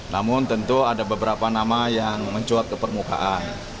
namun tentu ada beberapa nama yang mencuat ke permukaan